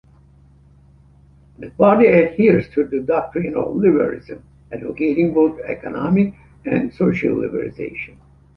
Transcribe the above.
The party adheres to the doctrine of liberalism, advocating both economic and social liberalization.